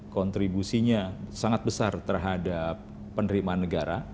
kontribusinya sangat besar terhadap penerimaan negara